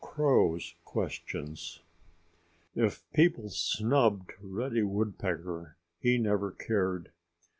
CROW'S QUESTIONS* If people snubbed Reddy Woodpecker he never cared.